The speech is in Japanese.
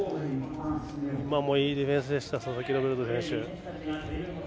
今もいいディフェンスでした佐々木ロベルト泉選手。